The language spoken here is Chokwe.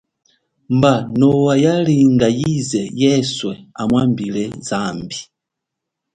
Mba noa yalinga yize yeswe amwambile zambi.